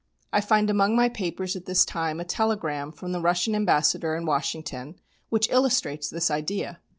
I find among my papers at this time a telegram from the Russian Ambassador in Washington, which illustrates this idea.